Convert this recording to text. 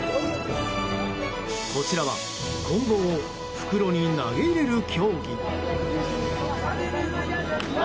こちらはこん棒を袋に投げ入れる競技。